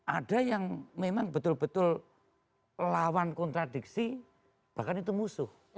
ada yang memang betul betul lawan kontradiksi bahkan itu musuh